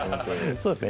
そうですね